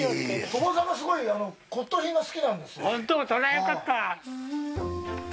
鳥羽さんがすごい骨とう品が好きなんですって。